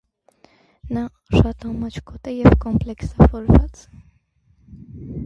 Նա շատ ամաչկոտ է և կոմպլեքսավորված։